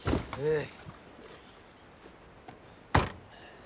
ええ。